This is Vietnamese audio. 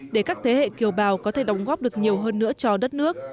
để các thế hệ kiều bào có thể đóng góp được nhiều hơn nữa cho đất nước